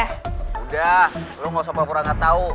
udah lo gak usah perkurangan tau